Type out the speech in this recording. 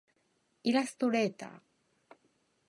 イラストレーター